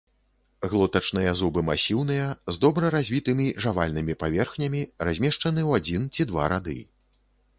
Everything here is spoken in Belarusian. Глотачныя зубы масіўныя, з добра развітымі жавальнымі паверхнямі, размешчаны ў адзін ці два рады.